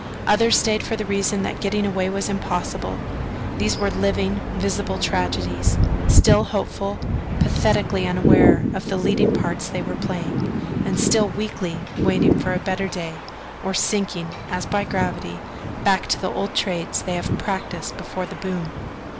Others stayed for the reason that getting away was impossible. These were living, visible tragedies still hopeful, pathetically unaware of the leading parts they were playing, and still weakly waiting for a better day or sinking, as by gravity, back to the old trades they had practised before the boom.